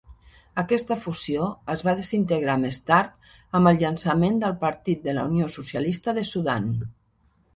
Aquesta fusió es va desintegrar més tard amb el llançament del Partit de la Unió Socialista de Sudan.